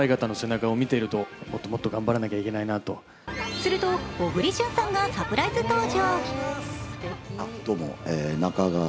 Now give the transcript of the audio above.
すると小栗旬さんがサプライズ登場。